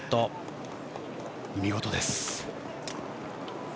見事です。